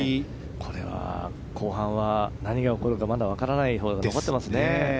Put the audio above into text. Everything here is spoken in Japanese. これは後半は何が起こるかまだ分からないホールが残っていますね。